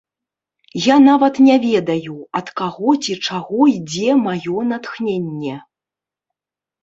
Я нават не ведаю, ад каго ці чаго ідзе маё натхненне.